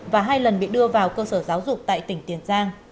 và hai lần bị đưa vào cơ sở giáo dục tại tỉnh tiền giang